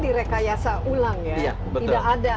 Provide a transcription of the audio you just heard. direkayasa ulang ya tidak ada